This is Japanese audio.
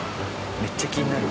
めっちゃ気になる。